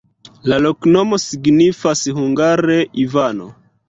La loknomo signifas hungare: Ivano.